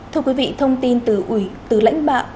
thưa quý vị thông tin từ lãnh bạo